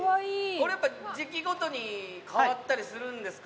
これやっぱ時期ごとに変わったりするんですか？